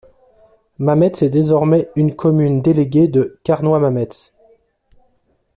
Mametz est désormais une commune déléguée de Carnoy-Mametz.